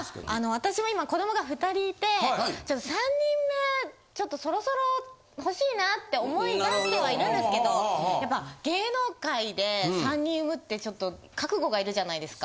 私も今子供が２人いてちょっと。って思いだしてはいるんですけどやっぱ芸能界で３人産むってちょっと覚悟がいるじゃないですか。